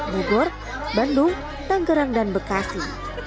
bogor bandung tanggerang dan bekasi